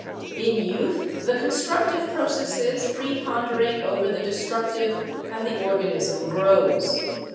In youth the constructive processes preponderate over the destructive and the organism grows.